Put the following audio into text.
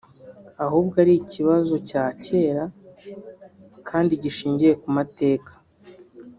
ahubwo ari ikibazo cya kera kandi gishingiye ku mateka